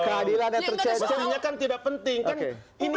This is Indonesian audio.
keadilan ada tercecer